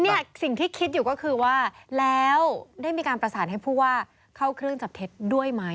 เนี่ยสิ่งที่คิดอยู่ก็คือว่าแล้วได้มีการประสานให้ผู้ว่าเข้าเครื่องจับเท็จด้วยไหม